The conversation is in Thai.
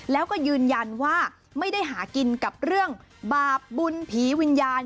แล้วก็ยืนยันว่าไม่ได้หากินกับเรื่องบาปบุญผีวิญญาณ